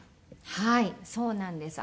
はいそうなんです。